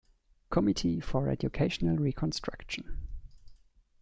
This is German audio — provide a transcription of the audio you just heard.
Committee for Educational Reconstruction.